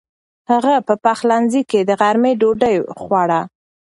هغه په پخلنځي کې د غرمې ډوډۍ خوړه.